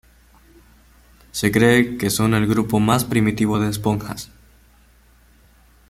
Se cree que son el grupo más primitivo de esponjas.